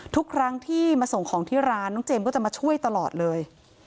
ทุกครั้งที่มาส่งของที่ร้านน้องเจมส์ก็จะมาช่วยตลอดเลย